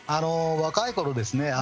若いころですね